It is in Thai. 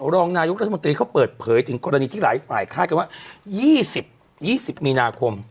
รองนายุครัฐมนตรีเขาเปิดเผยถึงกรณีที่หลายฝ่ายค่ายกันว่ายี่สิบยี่สิบมีนาคม